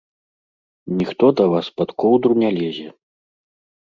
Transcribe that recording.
Ніхто да вас пад коўдру не лезе.